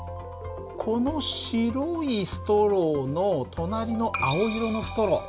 この白いストローの隣の青色のストロー。